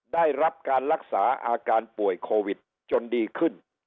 ได้รับการรักษาอาการป่วยโควิดจนดีขึ้น